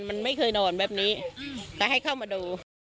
มันไม่เคยนอนแบบนี้ก็ให้เข้ามาดู